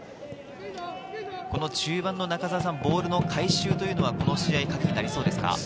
中盤のボールの回収というのは、この試合カギになりそうですか？